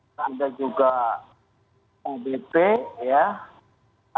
ini agak mengherankan dan membelalakan mata saya ya